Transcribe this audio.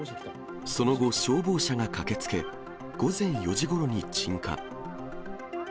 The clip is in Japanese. その後、消防車が駆けつけ、午前４時ごろに鎮火。